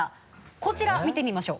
こちら見てみましょう。